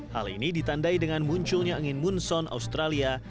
hal ini ditandai dengan munculnya angin munson australia